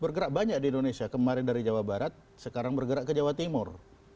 bergerak banyak di indonesia kemarin dari jawa barat sekarang bergerak ke jawa timur